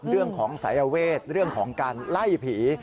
เรื่องของสายเวทเรื่องของการไล่ผี